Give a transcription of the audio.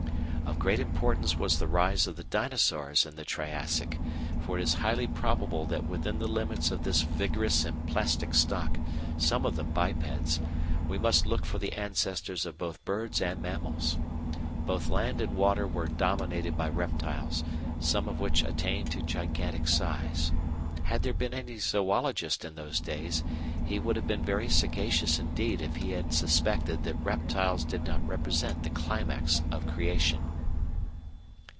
Of great importance was the rise of the Dinosaurs in the Triassic, for it is highly probable that within the limits of this vigorous and plastic stock some of them bipeds we must look for the ancestors of both birds and mammals. Both land and water were dominated by reptiles, some of which attained to gigantic size. Had there been any zoologist in those days, he would have been very sagacious indeed if he had suspected that reptiles did not represent the climax of creation.